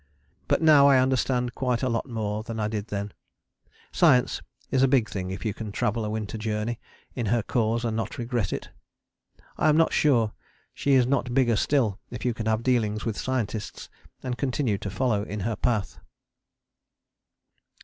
But now I understand quite a lot more than I did then. Science is a big thing if you can travel a Winter Journey in her cause and not regret it. I am not sure she is not bigger still if you can have dealings with scientists and continue to follow in her path.